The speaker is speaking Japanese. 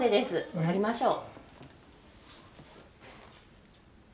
乗りましょう。